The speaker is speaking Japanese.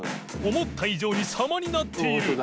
思った以上にさまになっている）